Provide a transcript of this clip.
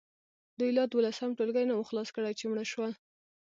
دوی لا دولسم ټولګی نه وو خلاص کړی چې مړه شول.